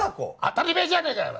当たりめえじゃねえかよ！